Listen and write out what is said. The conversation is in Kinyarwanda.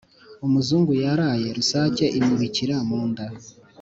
Umuzungu Yaraye rusake imubikira munda.